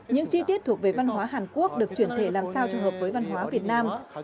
những chi tiết thuộc về văn hóa hàn quốc được chuyển thể làm sao cho hợp với văn hóa việt nam